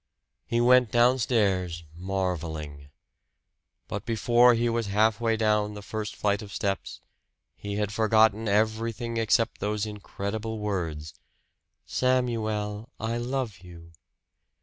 He went downstairs, marveling. But before he was halfway down the first flight of steps he had forgotten everything except those incredible words "Samuel, I love you!"